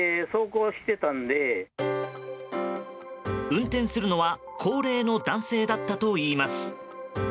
運転するのは高齢の男性だったといいます。